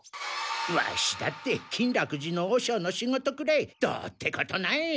ワシだって金楽寺の和尚の仕事くらいどうってことない。